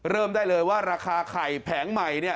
เริ่มได้เลยว่าราคาไข่แผงใหม่เนี่ย